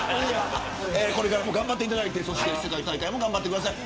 これからも頑張っていただいて世界大会も頑張ってください。